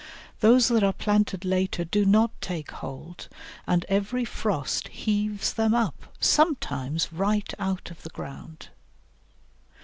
Those that are planted later do not take hold, and every frost heaves them up, sometimes right out of the ground.